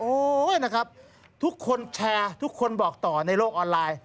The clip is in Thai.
โอ้ยนะครับทุกคนแชร์ทุกคนบอกต่อในโลกออนไลน์